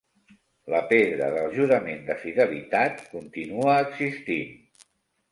La pedra del jurament de fidelitat continua existint.